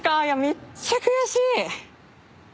めっちゃ悔しい。